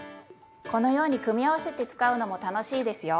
このように組み合わせて使うのも楽しいですよ。